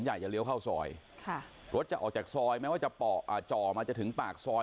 ใหญ่จะเลี้ยวเข้าซอยรถจะออกจากซอยแม้ว่าจะจ่อมาจะถึงปากซอย